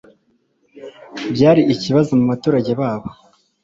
Byari ikibazo mubaturage babo